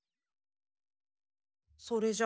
それじゃ。